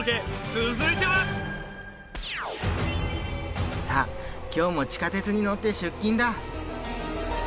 続いては。さあ今日も地下鉄に乗って出勤だ。